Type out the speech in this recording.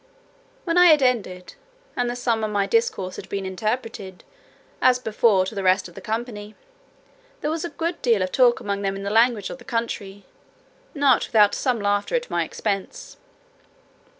When I had ended, and the sum of my discourse had been interpreted, as before, to the rest of the company, there was a good deal of talk among them in the language of the country, not without some laughter at my expense.